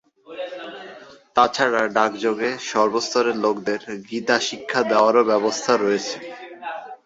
তাছাড়া ডাকযোগে সর্বস্তরের লোকদের গীতা শিক্ষা দেওয়ারও ব্যবস্থা রয়েছে।